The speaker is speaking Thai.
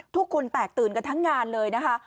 ทุกคนแตกตื่นกันทั้งงานเลยนะคะ